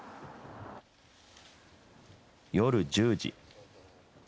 夜１０時。